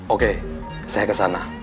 oke saya kesana